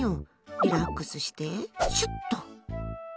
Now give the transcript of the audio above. リラックスして、シュッと。